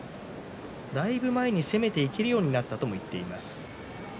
だいぶ前に攻めていけるようになったとも言っています。